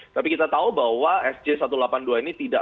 tapi kita tahu bahwa sj satu ratus delapan puluh dua ini tidak